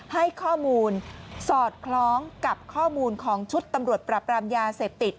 ให้ข้อมูลสอดคล้องกับข้อมูลของชุดตำรวจปรับรามยาเสพติด